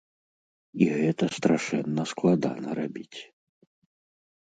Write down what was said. І гэта страшэнна складана рабіць.